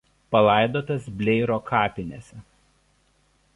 Palaidotas Bleiro kapinėse.